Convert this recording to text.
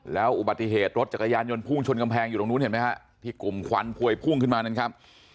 แล้วอุบัติเหตุรถจักรยานยนต์พุ่งชนกำแพงอยู่ตรงนู้นเห็นไหมฮะที่กลุ่มควันพวยพุ่งขึ้นมานั้นครับ